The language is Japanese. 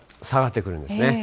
下がってくるんですね。